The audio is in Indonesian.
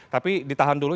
tapi ditahan dulu